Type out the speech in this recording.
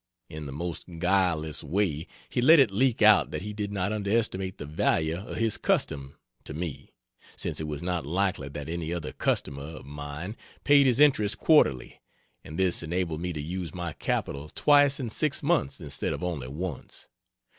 In the most guileless way he let it leak out that he did not underestimate the value of his custom to me, since it was not likely that any other customer of mine paid his interest quarterly, and this enabled me to use my capital twice in 6 months instead of only once.